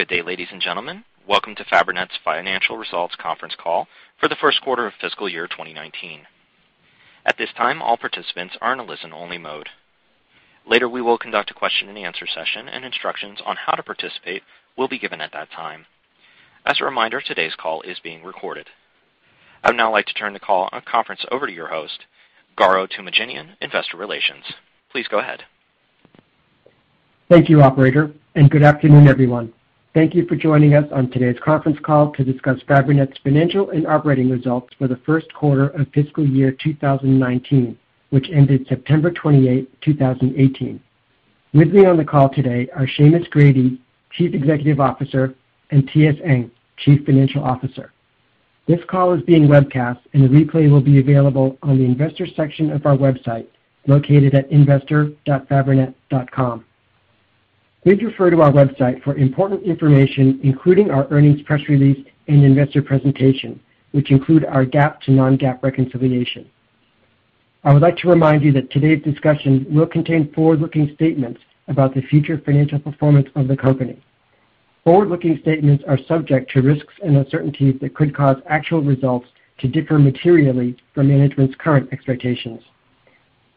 Good day, ladies and gentlemen. Welcome to Fabrinet's Financial Results Conference Call for the first quarter of fiscal year 2019. At this time, all participants are in a listen only mode. Later, we will conduct a question and answer session, and instructions on how to participate will be given at that time. As a reminder, today's call is being recorded. I would now like to turn the call and conference over to your host, Garo Toomajanian, Investor Relations. Please go ahead. Thank you, operator. Good afternoon, everyone. Thank you for joining us on today's conference call to discuss Fabrinet's financial and operating results for the first quarter of fiscal year 2019, which ended September 28, 2018. With me on the call today are Seamus Grady, Chief Executive Officer, and Toh-Seng Ng, Chief Financial Officer. This call is being webcast, and a replay will be available on the investors section of our website, located at investor.fabrinet.com. Please refer to our website for important information, including our earnings press release and investor presentation, which include our GAAP to non-GAAP reconciliation. I would like to remind you that today's discussion will contain forward-looking statements about the future financial performance of the company. Forward-looking statements are subject to risks and uncertainties that could cause actual results to differ materially from management's current expectations.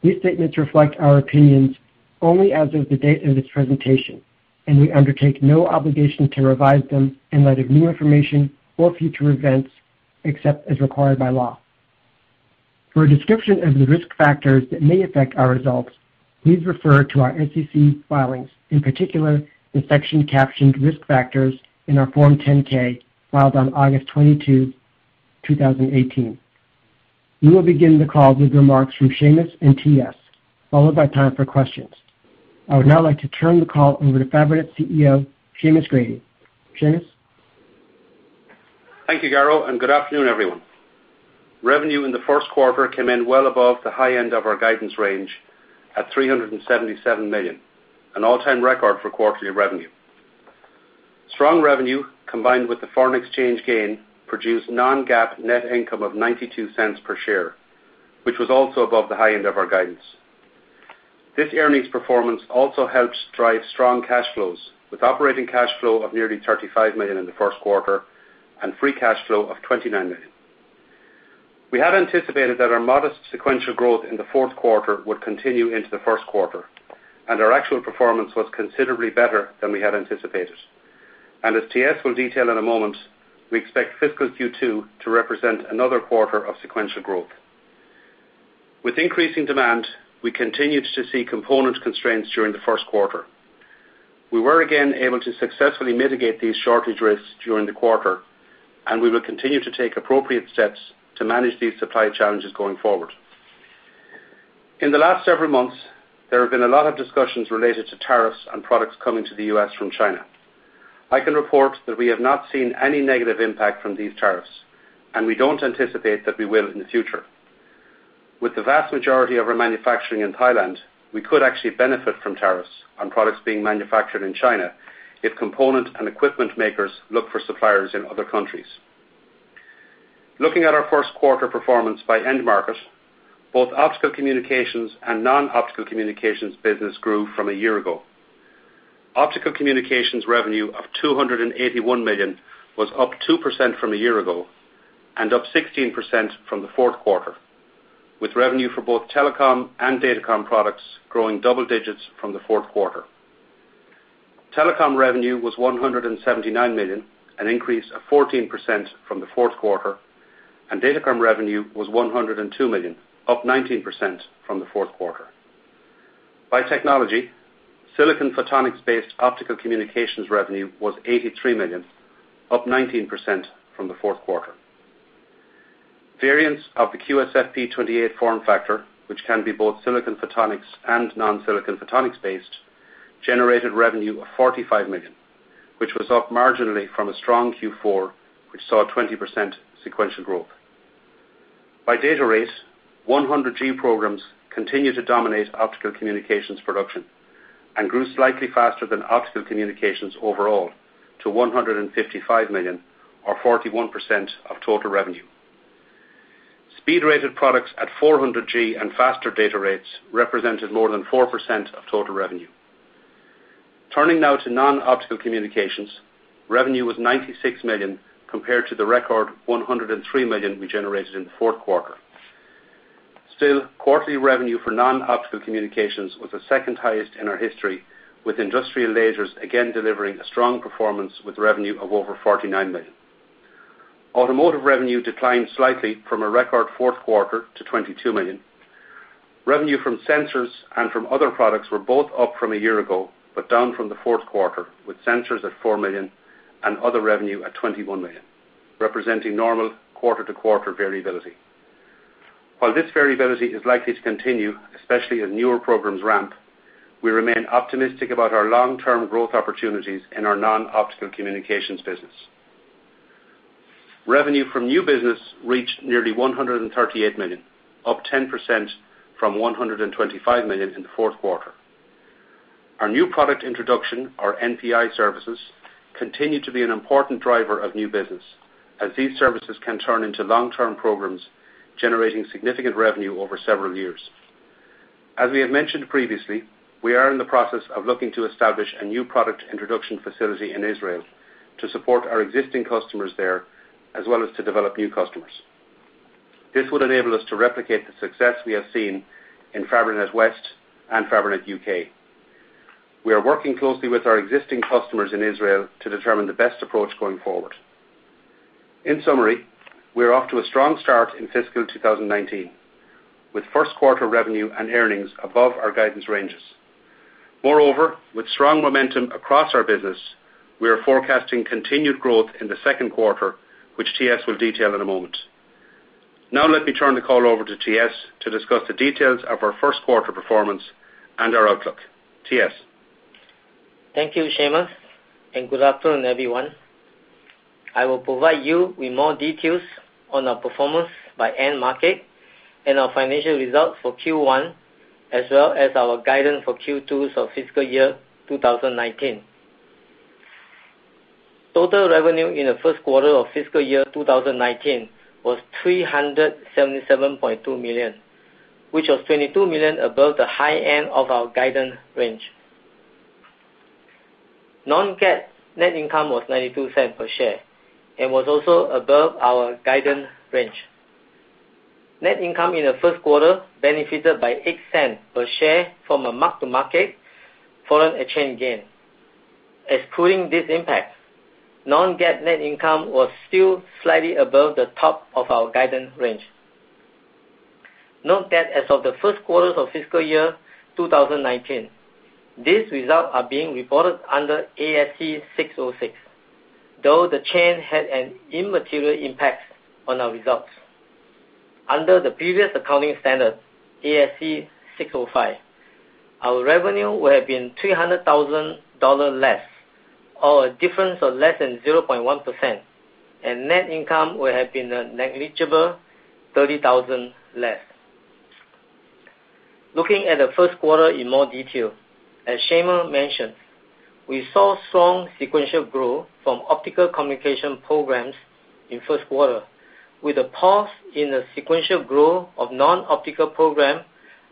These statements reflect our opinions only as of the date of this presentation. We undertake no obligation to revise them in light of new information or future events, except as required by law. For a description of the risk factors that may affect our results, please refer to our SEC filings, in particular the section captioned "Risk Factors" in our Form 10-K filed on August 22, 2018. We will begin the call with remarks from Seamus and TS, followed by time for questions. I would now like to turn the call over to Fabrinet CEO, Seamus Grady. Seamus? Thank you, Garo. Good afternoon, everyone. Revenue in the first quarter came in well above the high end of our guidance range at $377 million, an all-time record for quarterly revenue. Strong revenue, combined with the foreign exchange gain, produced non-GAAP net income of $0.92 per share, which was also above the high end of our guidance. This earnings performance also helped drive strong cash flows, with operating cash flow of nearly $35 million in the first quarter and free cash flow of $29 million. We had anticipated that our modest sequential growth in the fourth quarter would continue into the first quarter, and our actual performance was considerably better than we had anticipated. As TS will detail in a moment, we expect fiscal Q2 to represent another quarter of sequential growth. With increasing demand, we continued to see component constraints during the first quarter. We were again able to successfully mitigate these shortage risks during the quarter. We will continue to take appropriate steps to manage these supply challenges going forward. In the last several months, there have been a lot of discussions related to tariffs on products coming to the U.S. from China. I can report that we have not seen any negative impact from these tariffs. We don't anticipate that we will in the future. With the vast majority of our manufacturing in Thailand, we could actually benefit from tariffs on products being manufactured in China if component and equipment makers look for suppliers in other countries. Looking at our first quarter performance by end market, both Optical Communications and Non-Optical Communications business grew from a year ago. Optical Communications revenue of $281 million was up 2% from a year ago and up 16% from the fourth quarter, with revenue for both Telecom and Datacom products growing double digits from the fourth quarter. Telecom revenue was $179 million, an increase of 14% from the fourth quarter. Datacom revenue was $102 million, up 19% from the fourth quarter. By technology, silicon photonics-based Optical Communications revenue was $83 million, up 19% from the fourth quarter. Variants of the QSFP28 form factor, which can be both silicon photonics and non-silicon photonics based, generated revenue of $45 million, which was up marginally from a strong Q4, which saw a 20% sequential growth. By data rates, 100G programs continue to dominate Optical Communications production and grew slightly faster than Optical Communications overall to $155 million or 41% of total revenue. Speed rated products at 400G and faster data rates represented more than 4% of total revenue. Turning now to Non-Optical Communications, revenue was $96 million, compared to the record $103 million we generated in the fourth quarter. Still, quarterly revenue for Non-Optical Communications was the second highest in our history, with Industrial Lasers again delivering a strong performance with revenue of over $49 million. Automotive revenue declined slightly from a record fourth quarter to $22 million. Revenue from sensors and from other products were both up from a year ago, but down from the fourth quarter, with sensors at $4 million and other revenue at $21 million, representing normal quarter-to-quarter variability. While this variability is likely to continue, especially as newer programs ramp, we remain optimistic about our long-term growth opportunities in our Non-Optical Communications business. Revenue from new business reached nearly $138 million, up 10% from $125 million in the fourth quarter. Our New Product Introduction, our NPI services, continue to be an important driver of new business, as these services can turn into long-term programs generating significant revenue over several years. As we have mentioned previously, we are in the process of looking to establish a New Product Introduction facility in Israel to support our existing customers there, as well as to develop new customers. This would enable us to replicate the success we have seen in Fabrinet West and Fabrinet UK. We are working closely with our existing customers in Israel to determine the best approach going forward. In summary, we are off to a strong start in fiscal 2019, with first quarter revenue and earnings above our guidance ranges. Moreover, with strong momentum across our business, we are forecasting continued growth in the second quarter, which TS will detail in a moment. Let me turn the call over to TS to discuss the details of our first quarter performance and our outlook. TS. Thank you, Seamus. Good afternoon, everyone. I will provide you with more details on our performance by end market and our financial results for Q1, as well as our guidance for Q2 of fiscal year 2019. Total revenue in the first quarter of fiscal year 2019 was $377.2 million, which was $22 million above the high end of our guidance range. Non-GAAP net income was $0.92 per share and was also above our guidance range. Net income in the first quarter benefited by $0.08 per share from a mark-to-market foreign exchange gain. Excluding this impact, non-GAAP net income was still slightly above the top of our guidance range. Note that as of the first quarter of fiscal year 2019, these results are being reported under ASC 606. Though the change had an immaterial impact on our results. Under the previous accounting standard, ASC 605, our revenue would have been $300,000 less, or a difference of less than 0.1%, and net income would have been a negligible $30,000 less. Looking at the first quarter in more detail, as Seamus mentioned, we saw strong sequential growth from Optical Communications programs in first quarter, with a pause in the sequential growth of Non-Optical programs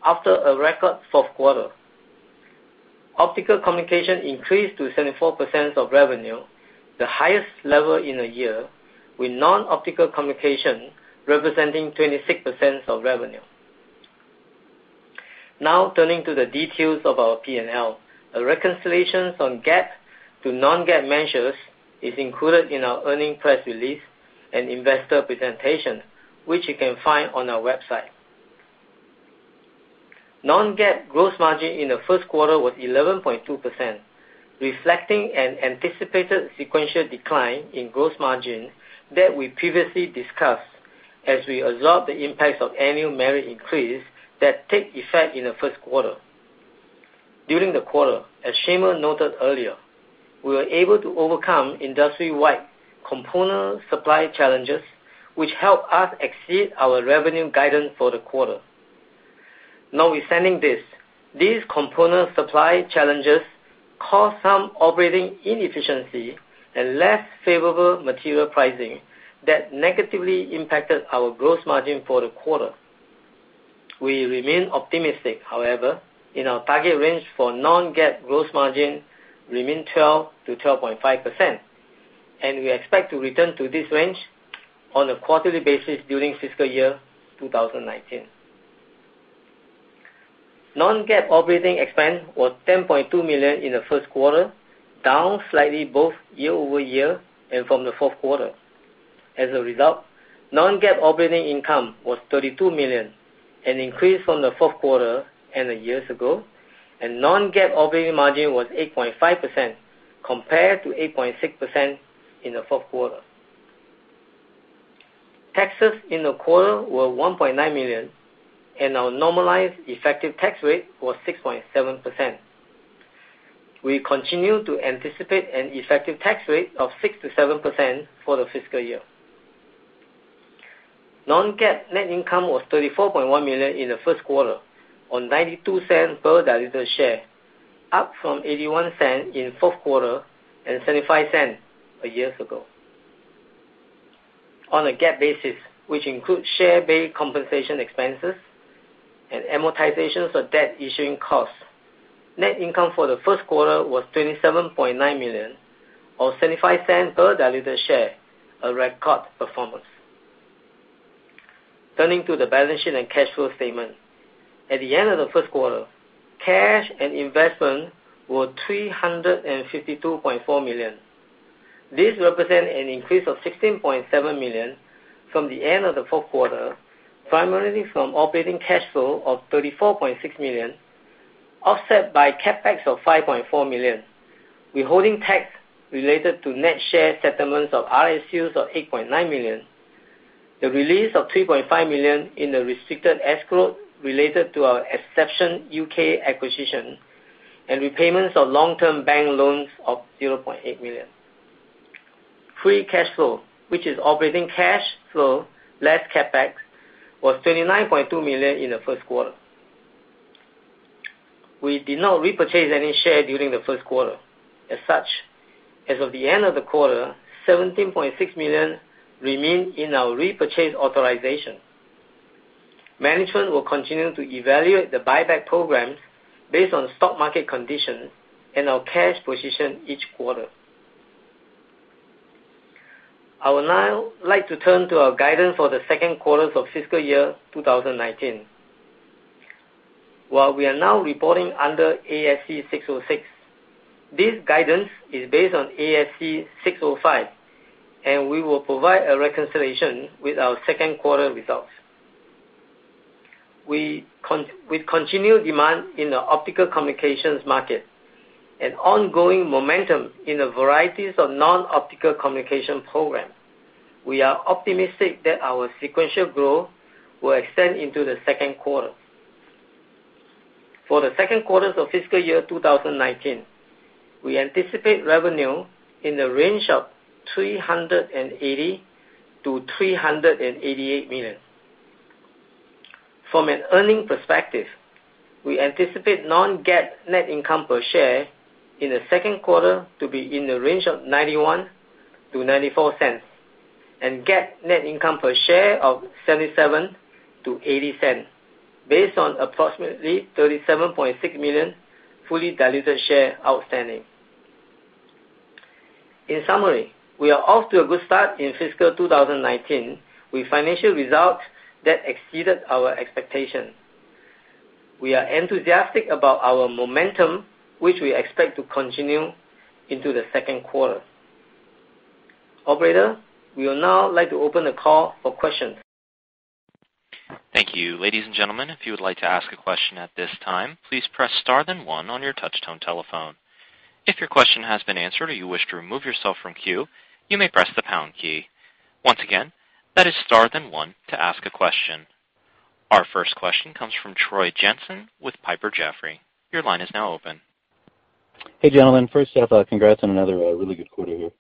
after a record fourth quarter. Optical Communications increased to 74% of revenue, the highest level in a year, with Non-Optical Communications representing 26% of revenue. Turning to the details of our P&L. A reconciliations on GAAP to non-GAAP measures is included in our earnings press release and investor presentation, which you can find on our website. Non-GAAP gross margin in the first quarter was 11.2%, reflecting an anticipated sequential decline in gross margin that we previously discussed as we absorb the impacts of annual merit increase that take effect in the first quarter. During the quarter, as Seamus noted earlier, we were able to overcome industry-wide component supply challenges, which helped us exceed our revenue guidance for the quarter. Notwithstanding this, these component supply challenges caused some operating inefficiency and less favorable material pricing that negatively impacted our gross margin for the quarter. We remain optimistic, however, in our target range for non-GAAP gross margin remain 12%-12.5%, and we expect to return to this range on a quarterly basis during fiscal year 2019. Non-GAAP operating expense was $10.2 million in the first quarter, down slightly both year-over-year and from the fourth quarter. As a result, non-GAAP operating income was $32 million, an increase from the fourth quarter and a year ago, and non-GAAP operating margin was 8.5% compared to 8.6% in the fourth quarter. Taxes in the quarter were $1.9 million, and our normalized effective tax rate was 6.7%. We continue to anticipate an effective tax rate of 6% to 7% for the fiscal year. Non-GAAP net income was $34.1 million in the first quarter on $0.92 per diluted share, up from $0.81 in fourth quarter and $0.75 a year ago. On a GAAP basis, which include share-based compensation expenses and amortizations of debt issuing costs, net income for the first quarter was $27.9 million or $0.75 per diluted share, a record performance. Turning to the balance sheet and cash flow statement. At the end of the first quarter, cash and investment were $352.4 million. This represent an increase of $16.7 million from the end of the fourth quarter, primarily from operating cash flow of $34.6 million, offset by CapEx of $5.4 million, withholding tax related to net share settlements of RSUs of $8.9 million, the release of $3.5 million in the restricted escrow related to our Exception UK acquisition, and repayments of long-term bank loans of $0.8 million. Free cash flow, which is operating cash flow less CapEx, was $29.2 million in the first quarter. We did not repurchase any share during the first quarter. As such, as of the end of the quarter, $17.6 million remain in our repurchase authorization. Management will continue to evaluate the buyback program based on stock market conditions and our cash position each quarter. I would now like to turn to our guidance for the second quarter of fiscal year 2019. While we are now reporting under ASC 606, this guidance is based on ASC 605, and we will provide a reconciliation with our second quarter results. With continued demand in the Optical Communications market and ongoing momentum in a varieties of Non-Optical Communications programs, we are optimistic that our sequential growth will extend into the second quarter. For the second quarter of fiscal year 2019, we anticipate revenue in the range of $380 million-$388 million. From an earning perspective, we anticipate non-GAAP net income per share in the second quarter to be in the range of $0.91-$0.94, and GAAP net income per share of $0.77-$0.80, based on approximately 37.6 million fully diluted shares outstanding. In summary, we are off to a good start in fiscal 2019, with financial results that exceeded our expectations. We are enthusiastic about our momentum, which we expect to continue into the second quarter. Operator, we would now like to open the call for questions. Thank you. Ladies and gentlemen, if you would like to ask a question at this time, please press star then one on your touch tone telephone. If your question has been answered or you wish to remove yourself from queue, you may press the pound key. Once again, that is star then one to ask a question. Our first question comes from Troy Jensen with Piper Jaffray. Your line is now open. Hey, gentlemen. First off, congrats on another really good quarter here.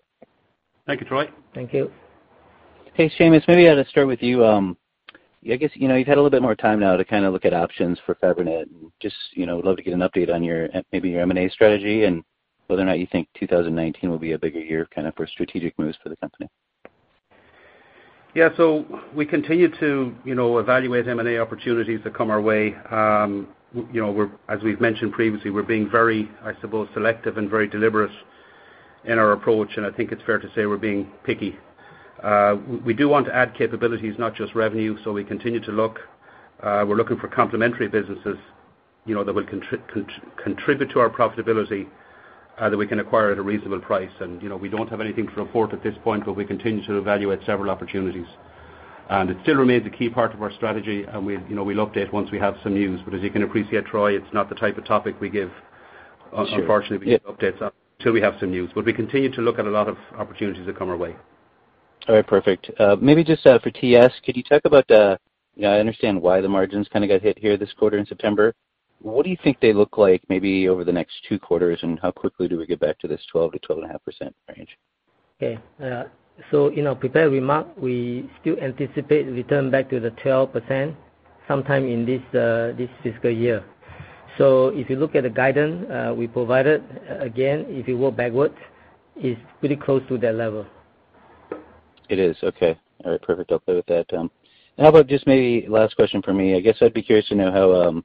Thank you, Troy. Thank you. Thanks, Seamus. Maybe I'll start with you. I guess, you've had a little bit more time now to look at options for Fabrinet, and just would love to get an update on maybe your M&A strategy and whether or not you think 2019 will be a bigger year for strategic moves for the company. Yeah. We continue to evaluate M&A opportunities that come our way. As we've mentioned previously, we're being very, I suppose, selective and very deliberate in our approach, and I think it's fair to say we're being picky. We do want to add capabilities, not just revenue. We continue to look. We're looking for complementary businesses that will contribute to our profitability, that we can acquire at a reasonable price. We don't have anything to report at this point, but we continue to evaluate several opportunities. It still remains a key part of our strategy, and we'll update once we have some news. As you can appreciate, Troy, it's not the type of topic we give- Sure unfortunately, we give updates on till we have some news. We continue to look at a lot of opportunities that come our way. All right. Perfect. Maybe just for T.S., could you talk about, I understand why the margins kind of got hit here this quarter in September. What do you think they look like maybe over the next two quarters, and how quickly do we get back to this 12%-12.5% range? Okay. In our prepared remark, we still anticipate return back to the 12% sometime in this fiscal year. If you look at the guidance we provided, again, if you work backwards, it's pretty close to that level. It is. Okay. All right. Perfect. I'll go with that. How about just maybe last question from me. I guess I'd be curious to know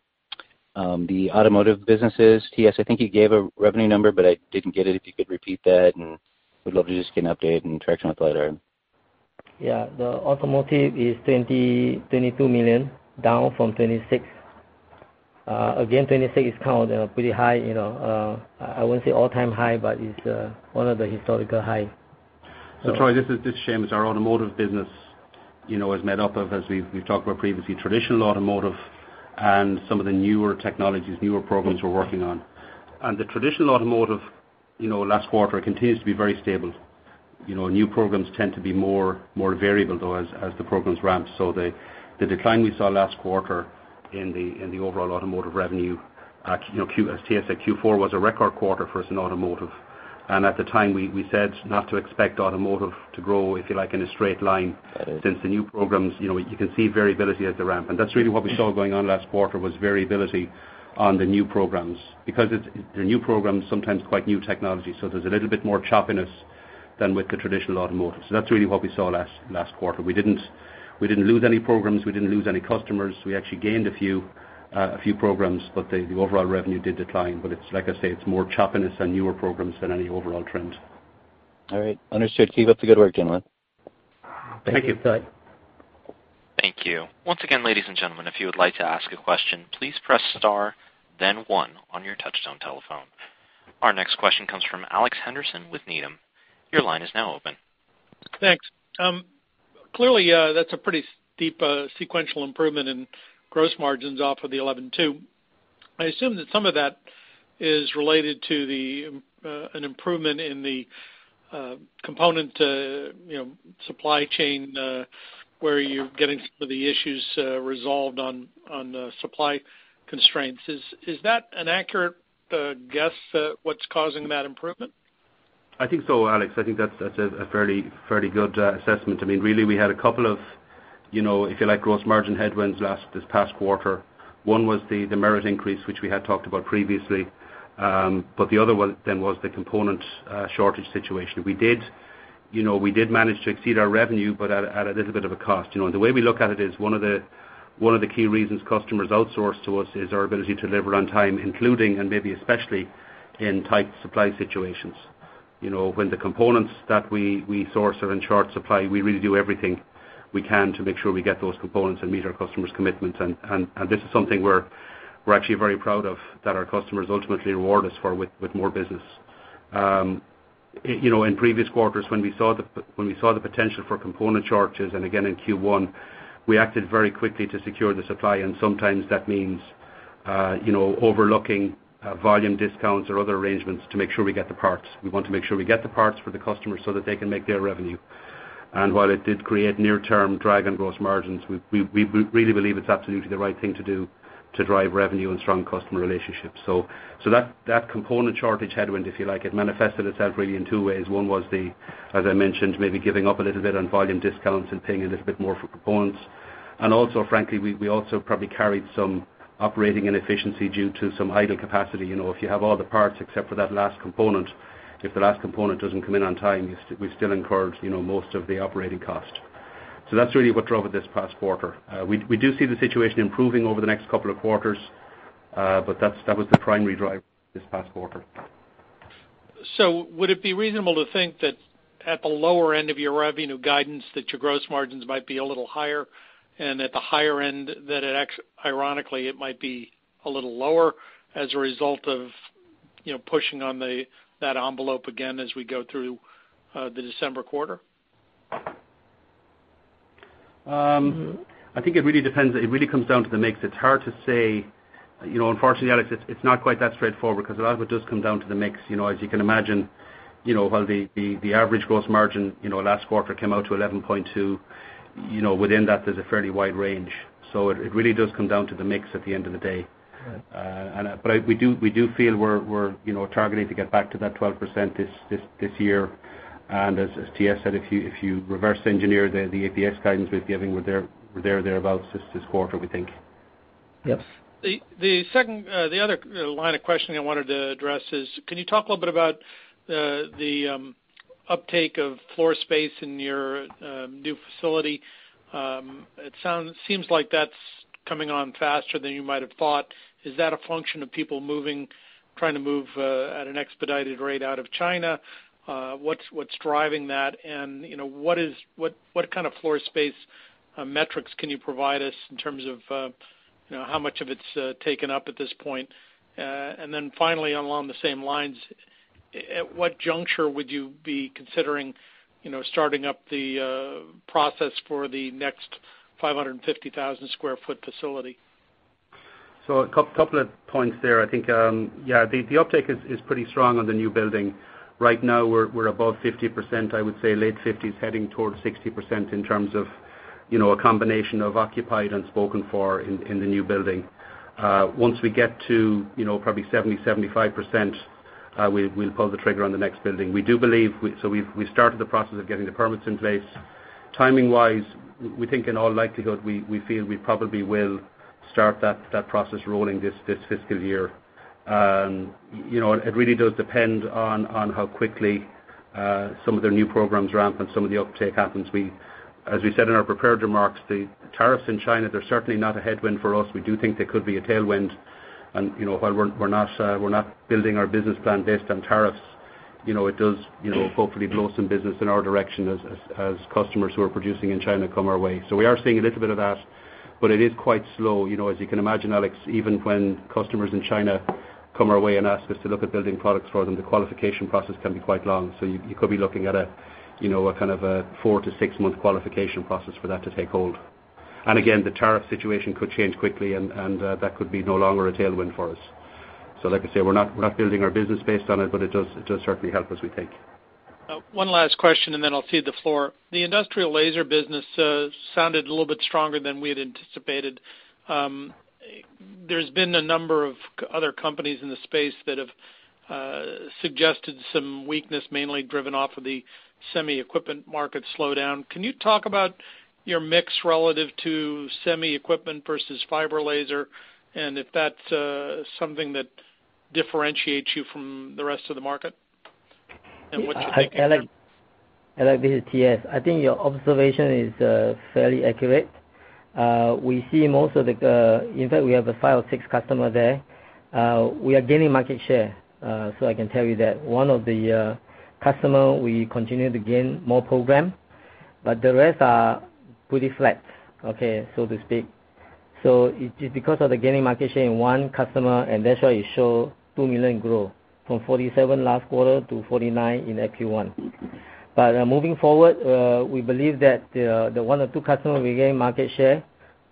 how the Automotive business is. T.S., I think you gave a revenue number, but I didn't get it. If you could repeat that, would love to just get an update and direction with that. Yeah. The Automotive is $22 million, down from $26. $26 is kind of pretty high. I wouldn't say all-time high, but it's one of the historical high. Troy, this is Seamus. Our Automotive business is made up of, as we've talked about previously, traditional Automotive and some of the newer technologies, newer programs we're working on. The traditional Automotive last quarter continues to be very stable. New programs tend to be more variable, though, as the programs ramp. The decline we saw last quarter in the overall Automotive revenue, as T.S. said, Q4 was a record quarter for us in Automotive. At the time, we said not to expect Automotive to grow, if you like, in a straight line. Right Since the new programs, you can see variability as they ramp. That's really what we saw going on last quarter, was variability on the new programs. The new programs, sometimes quite new technology, so there's a little bit more choppiness than with the traditional Automotive. That's really what we saw last quarter. We didn't lose any programs. We didn't lose any customers. We actually gained a few programs, but the overall revenue did decline. It's like I say, it's more choppiness on newer programs than any overall trend. All right. Understood. Keep up the good work, gentlemen. Thank you. Thank you, Troy. Thank you. Once again, ladies and gentlemen, if you would like to ask a question, please press star then one on your touch tone telephone. Our next question comes from Alex Henderson with Needham. Your line is now open. Thanks. Clearly, that's a pretty steep sequential improvement in gross margins off of the 11.2%. I assume that some of that is related to an improvement in the component supply chain, where you're getting some of the issues resolved on the supply constraints. Is that an accurate guess what's causing that improvement? I think so, Alex. I think that's a fairly good assessment. We had a couple of, if you like, gross margin headwinds this past quarter. One was the merit increase, which we had talked about previously. The other one then was the component shortage situation. We did manage to exceed our revenue, but at a little bit of a cost. The way we look at it is one of the key reasons customers outsource to us is our ability to deliver on time, including, and maybe especially, in tight supply situations. When the components that we source are in short supply, we really do everything we can to make sure we get those components and meet our customers' commitments. This is something we're actually very proud of, that our customers ultimately reward us for with more business. In previous quarters, when we saw the potential for component shortages, and again in Q1, we acted very quickly to secure the supply, and sometimes that means overlooking volume discounts or other arrangements to make sure we get the parts. We want to make sure we get the parts for the customers so that they can make their revenue. While it did create near-term drag on gross margins, we really believe it's absolutely the right thing to do to drive revenue and strong customer relationships. That component shortage headwind, if you like, it manifested itself really in two ways. One was the, as I mentioned, maybe giving up a little bit on volume discounts and paying a little bit more for components. Also, frankly, we also probably carried some operating inefficiency due to some idle capacity. If you have all the parts except for that last component, if the last component doesn't come in on time, we still incurred most of the operating cost. That's really what drove it this past quarter. We do see the situation improving over the next couple of quarters. That was the primary driver this past quarter. Would it be reasonable to think that at the lower end of your revenue guidance, that your gross margins might be a little higher, and at the higher end, that ironically, it might be a little lower as a result of pushing on that envelope again as we go through the December quarter? I think it really comes down to the mix. It's hard to say. Unfortunately, Alex, it's not quite that straightforward because a lot of it does come down to the mix. As you can imagine, while the average gross margin last quarter came out to 11.2%, within that, there's a fairly wide range. It really does come down to the mix at the end of the day. Right. We do feel we're targeting to get back to that 12% this year. As TS said, if you reverse engineer the EPS guidance we're giving, we're there or thereabout this quarter, we think. Yes. The other line of questioning I wanted to address is, can you talk a little bit about the uptake of floor space in your new facility? It seems like that's coming on faster than you might have thought. Is that a function of people trying to move at an expedited rate out of China? What's driving that, and what kind of floor space metrics can you provide us in terms of how much of it's taken up at this point? Finally, along the same lines, at what juncture would you be considering starting up the process for the next 550,000 sq ft facility? A couple of points there. I think, yeah, the uptake is pretty strong on the new building. Right now, we're above 50%, I would say late 50s, heading towards 60% in terms of a combination of occupied and spoken for in the new building. Once we get to probably 70%-75%, we'll pull the trigger on the next building. We've started the process of getting the permits in place. Timing-wise, we think in all likelihood, we feel we probably will start that process rolling this fiscal year. It really does depend on how quickly some of their new programs ramp and some of the uptake happens. As we said in our prepared remarks, the tariffs in China, they're certainly not a headwind for us. We do think they could be a tailwind. While we're not building our business plan based on tariffs, it does hopefully blow some business in our direction as customers who are producing in China come our way. We are seeing a little bit of that, but it is quite slow. As you can imagine, Alex, even when customers in China come our way and ask us to look at building products for them, the qualification process can be quite long. You could be looking at a kind of a 4-6 month qualification process for that to take hold. Again, the tariff situation could change quickly, and that could be no longer a tailwind for us. Like I say, we're not building our business based on it, but it does certainly help us, we think. One last question, and then I'll cede the floor. The Industrial Laser business sounded a little bit stronger than we had anticipated. There's been a number of other companies in the space that have suggested some weakness, mainly driven off of the semi equipment market slowdown. Can you talk about your mix relative to semi equipment versus fiber laser, and if that's something that differentiates you from the rest of the market, and what you're thinking there? Alex, this is TS. I think your observation is fairly accurate. In fact, we have five or six customers there. We are gaining market share, so I can tell you that. One of the customers, we continue to gain more program, but the rest are pretty flat, so to speak. It is because of the gaining market share in one customer, and that's why it show $2 million growth, from $47 last quarter to $49 in Q1. Moving forward, we believe that the one or two customers we gain market share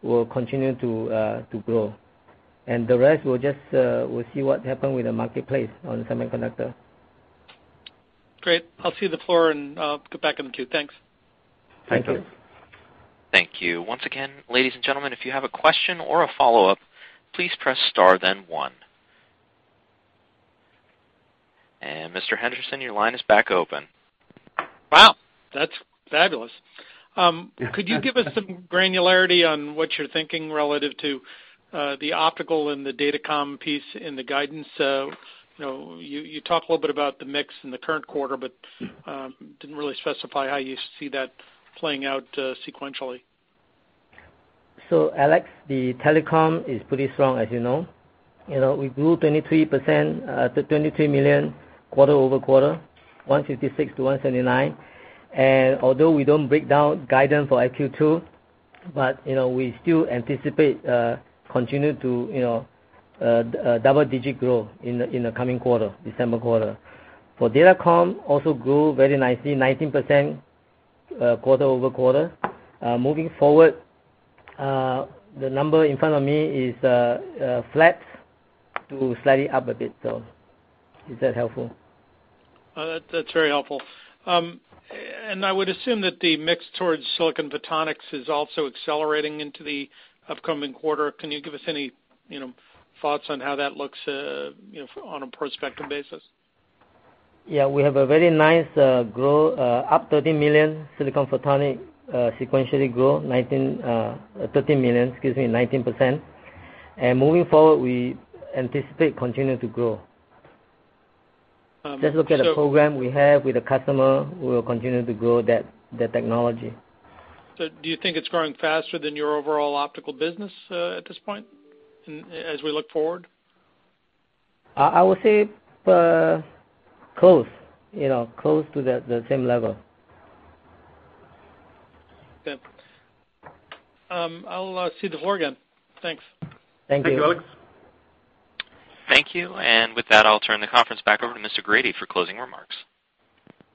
will continue to grow. And the rest, we'll see what happens with the marketplace on semiconductor. Great. I'll cede the floor and get back in the queue. Thanks. Thank you. Thank you. Once again, ladies and gentlemen, if you have a question or a follow-up, please press star then one. Mr. Henderson, your line is back open. Wow. That's fabulous. Yeah. Could you give us some granularity on what you're thinking relative to the Optical and the Datacom piece in the guidance? You talked a little bit about the mix in the current quarter, but didn't really specify how you see that playing out sequentially. Alex, the Telecom is pretty strong, as you know. We grew 23% to $23 million quarter-over-quarter, $156 million-$179 million. Although we don't break down guidance for FQ2, we still anticipate continue to double-digit growth in the coming quarter, December quarter. For Datacom, also grew very nicely, 19% quarter-over-quarter. Moving forward, the number in front of me is flat to slightly up a bit. Is that helpful? That's very helpful. I would assume that the mix towards silicon photonics is also accelerating into the upcoming quarter. Can you give us any thoughts on how that looks on a prospective basis? Yeah. We have a very nice growth, up $13 million silicon photonics sequentially growth, $13 million, excuse me, 19%. Moving forward, we anticipate continue to grow. So- Just look at the program we have with the customer, we will continue to grow that technology. Do you think it's growing faster than your overall Optical Communications business at this point as we look forward? I would say close to the same level. Okay. I'll cede the floor again. Thanks. Thank you. Thank you, Alex. Thank you. With that, I'll turn the conference back over to Mr. Grady for closing remarks.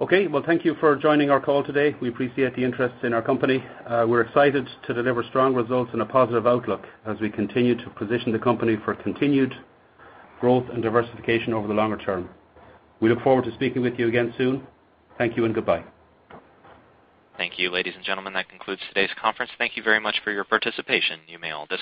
Okay. Well, thank you for joining our call today. We appreciate the interest in our company. We're excited to deliver strong results and a positive outlook as we continue to position the company for continued growth and diversification over the longer term. We look forward to speaking with you again soon. Thank you and goodbye. Thank you, ladies and gentlemen. That concludes today's conference. Thank you very much for your participation. You may all disconnect.